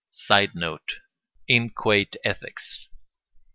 [Sidenote: Inchoate ethics.